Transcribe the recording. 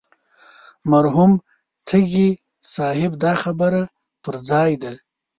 مرحوم تږي صاحب دا خبره پر ځای ده.